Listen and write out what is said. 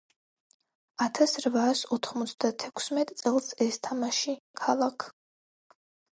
ათასრვაასოთხმოცდათექვსმეტ წელს ეს თამაში ქალაქ